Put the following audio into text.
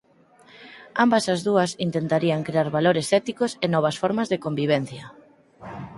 Ambas as dúas intentarían crear valores éticos e novas formas de convivencia.